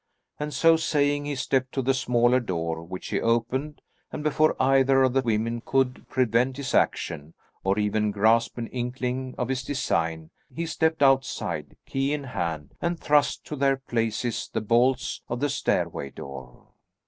And so saying, he stepped to the smaller door, which he opened, and before either of the women could prevent his action, or even grasp an inkling of his design, he stepped outside, key in hand, and thrust to their places the bolts of the stairway door.